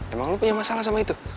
emang lo punya masalah sama itu